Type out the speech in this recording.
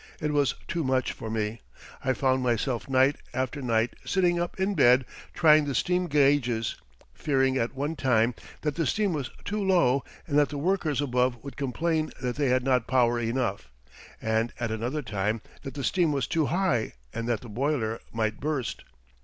It was too much for me. I found myself night after night, sitting up in bed trying the steam gauges, fearing at one time that the steam was too low and that the workers above would complain that they had not power enough, and at another time that the steam was too high and that the boiler might burst.